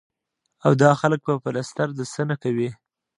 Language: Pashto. او دا خلک به پلستر د څۀ نه کوي ـ